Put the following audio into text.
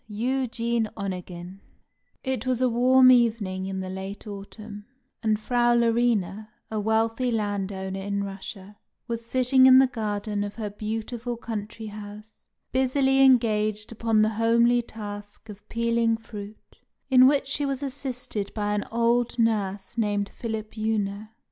EUGENE ONEGIN It was a warm evening in the late autumn, and Frau Larina, a wealthy landowner in Russia, was sitting in the garden of her beautiful country house, busily engaged upon the homely task of peeling fruit, in which she was assisted by an old nurse named Philipjewna.